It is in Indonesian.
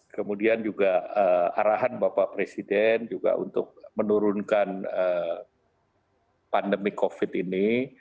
kemudian juga arahan bapak presiden juga untuk menurunkan pandemi covid ini